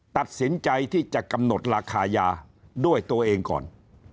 ตัดสินใจที่จะกำหนดราคายาด้วยตัวเองก่อน